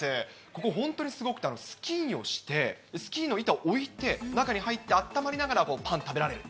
ここ本当にすごくて、スキーをして、スキーの板を置いて、中に入ってあったまりながらパン食べられる。